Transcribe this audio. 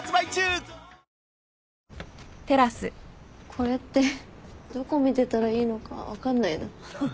これってどこ見てたらいいのか分かんないな。